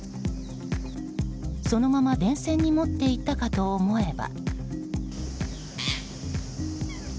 そのまま電線に持っていったかと思えば。